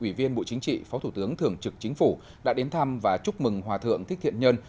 ủy viên bộ chính trị phó thủ tướng thường trực chính phủ đã đến thăm và chúc mừng hòa thượng thích thiện nhân